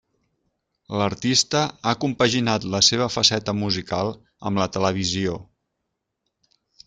L'artista ha compaginat la seva faceta musical amb la televisió.